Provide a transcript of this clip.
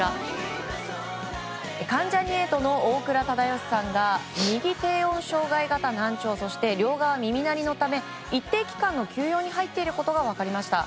関ジャニ∞の大倉忠義さんが右低音障害型難聴そして両側耳鳴りのため一定期間の休養に入っていることが分かりました。